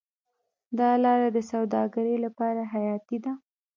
دا لاره د سوداګرۍ لپاره حیاتي ده.